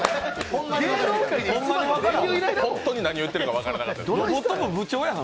本当に何を言っているか分からなかったです。